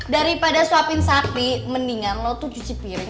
daripada suapin sapi mendingan lo tuh cuci piring